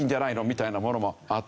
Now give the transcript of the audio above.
みたいなものもあったり。